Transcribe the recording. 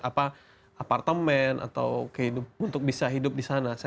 apartemen atau untuk bisa hidup di sana